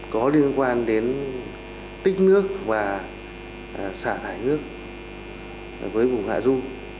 có liên quan đến tích nước và xả thải nước với vùng hạ du